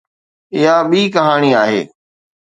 اها ٻي ڪهاڻي آهي.